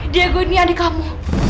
dia gue ini adik kamu